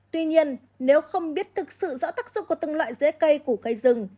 tuy nhiên nếu không biết thực sự rõ tác dụng của từng loại rễ cây củ cây rừng